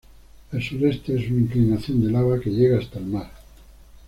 El sureste es una inclinación de lava que llega hasta el mar.